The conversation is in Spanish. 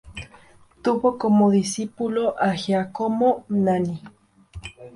Tuvo como discípulo a Giacomo Nani.